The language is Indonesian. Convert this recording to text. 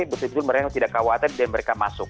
berarti mereka tidak khawatir dan mereka masuk